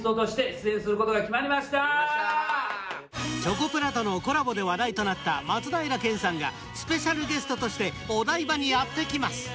チョコプラとのコラボで話題となった松平健さんがスペシャルゲストとしてお台場にやってきます。